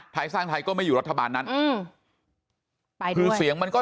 ไทยสร้างไทยก็ไม่อยู่รัฐบาลนั้นไปด้วย